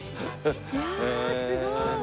いやあすごい！